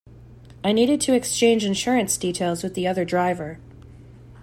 I needed to exchange insurance details with the other driver.